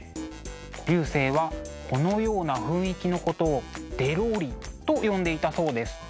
劉生はこのような雰囲気のことを「でろり」と呼んでいたそうです。